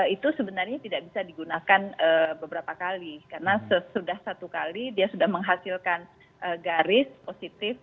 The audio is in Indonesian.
itu sebenarnya tidak bisa digunakan beberapa kali karena sudah satu kali dia sudah menghasilkan garis positif